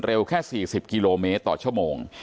แค่๔๐กิโลเมตรต่อชั่วโมง